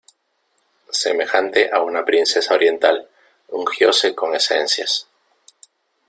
semejante a una princesa oriental, ungióse con esencias.